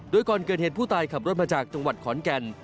โดยก่อนเกิดเหตุผู้ตายขับรถมาจากจังหวัดขอนแก่น